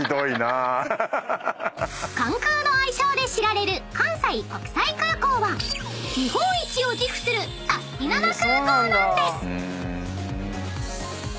［関空の愛称で知られる関西国際空港は日本一を自負するサスティな！な空港なんです］